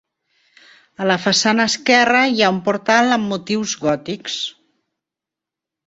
A la façana esquerra hi ha un portal amb motius gòtics.